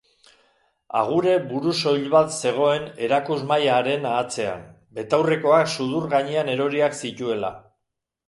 Agure burusoil bat zegoen erakusmahaiaren atzean, betaurrekoak sudur gainean eroriak zituela.